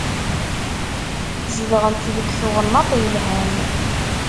Zedɣent deg twennaḍt yelhan.